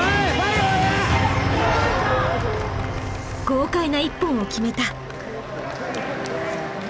豪快な一本を決めた！